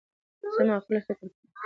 زه معقول فکر کوم.